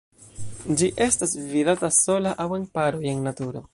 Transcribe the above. Ĝi estas vidata sola aŭ en paroj en naturo.